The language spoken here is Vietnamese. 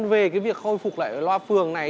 về cái việc khôi phục lại loa phường này